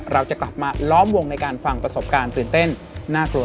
เราจะกลับมาล้อมวงในการฟังประสบการณ์ตื่นเต้นน่ากลัว